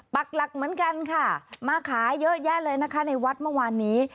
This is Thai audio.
หลักเหมือนกันค่ะมาขายเยอะแยะเลยนะคะในวัดเมื่อวานนี้